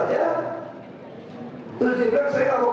justru seingat ini yang